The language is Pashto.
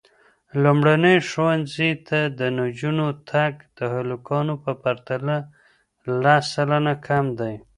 لومړني ښوونځي ته د نجونو تګ د هلکانو په پرتله لس سلنه کم دی.